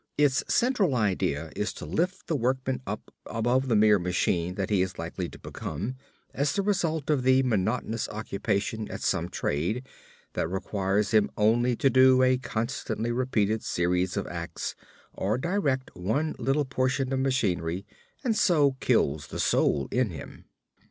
Its central idea is to lift the workmen up above the mere machine that he is likely to become, as the result of the monotonous occupation at some trade, that requires him only to do a constantly repeated series of acts, or direct, one little portion of machinery and so kills the soul in him.